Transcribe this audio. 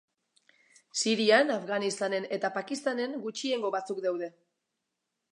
Sirian, Afganistanen eta Pakistanen, gutxiengo batzuk daude.